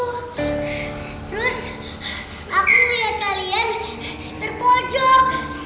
terus aku lihat kalian terpojok